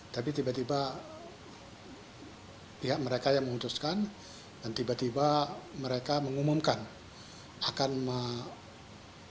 tapi tiba tiba pihak mereka yang memutuskan dan tiba tiba mereka mengumumkan akan memutuskan